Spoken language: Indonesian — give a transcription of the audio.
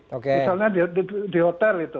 misalnya di hotel itu